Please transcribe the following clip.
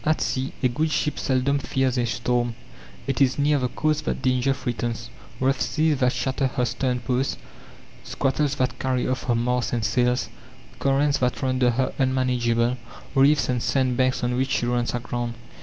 At sea a good ship seldom fears a storm. It is near the coasts that danger threatens rough seas that shatter her stern post, squalls that carry off her masts and sails, currents that render her unmanageable, reefs and sand banks on which she runs aground.